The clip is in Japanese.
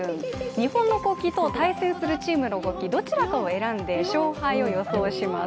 日本の国旗と対戦するチームの国旗どちらかを選んで、勝敗を予想します。